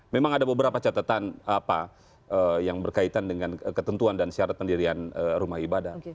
memang ada beberapa catatan apa yang berkaitan dengan ketentuan dan syarat pendirian rumah ibadah